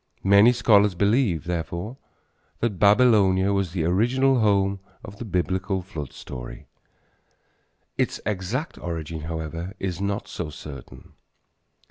Many scholars believe, therefore, that Babylonia was the original home of the Biblical flood story. Its exact origin, however, is not so certain.